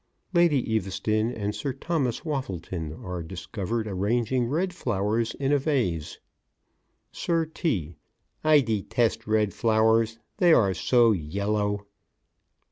_ LADY EAVESTON and SIR THOMAS WAFFLETON are discovered, arranging red flowers in a vase. SIR T.: I detest red flowers; they are so yellow.